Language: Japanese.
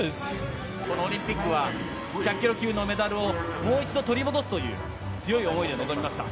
このオリンピックは、１００キロ級のメダルをもう一度取り戻すという、強い思いで臨みましたか？